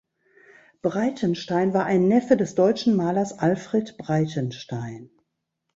Breitenstein war ein Neffe des deutschen Malers Alfred Breitenstein.